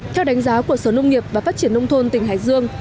theo đánh giá của sở nông nghiệp và phát triển nông thôn tỉnh hải dương